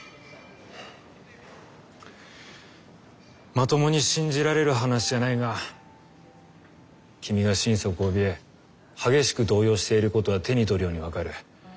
まともに信じられる話じゃないが君が心底おびえ激しく動揺していることは手に取るように分かる。